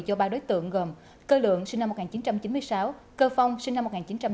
cho ba đối tượng gồm cơ lượng sinh năm một nghìn chín trăm chín mươi sáu cơ phong sinh năm một nghìn chín trăm tám mươi